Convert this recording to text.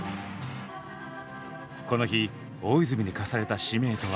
この日大泉に課された使命とは